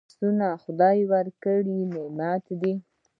لاسونه خدای ورکړي نعمت دی